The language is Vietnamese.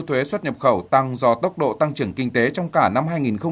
thuế xuất nhập khẩu tăng do tốc độ tăng trưởng kinh tế trong cả năm hai nghìn một mươi chín